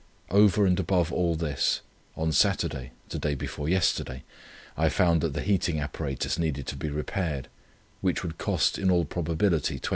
Over and above all this, on Saturday, the day before yesterday, I found that the heating apparatus needed to be repaired, which would cost in all probability £25.